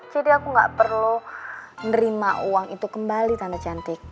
jadi aku gak perlu nerima uang itu kembali tante cantik